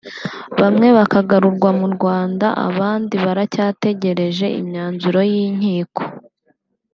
bamwe bakagarurwa mu Rwanda abandi baracyategereje imyanzuro y’inkiko